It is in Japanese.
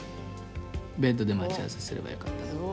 ベッドで待ち合わせすればよかったな。